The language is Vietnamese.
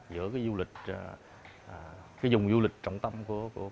giữa cái du lịch cái vùng du lịch trọng tâm của khu văn hóa trà vinh